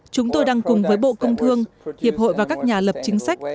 chúng tôi đang cùng với bộ công thương hiệp hội và các nhà lập chính sách